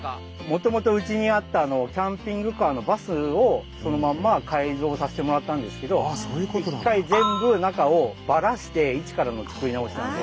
もともとうちにあったキャンピングカーのバスをそのまんま改造させてもらったんですけど一回全部中をバラしていちからの作り直しなんで。